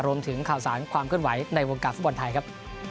รวมถึงข่าวสารความเคลื่อนไหวในวงการฟุตบอลไทยครับ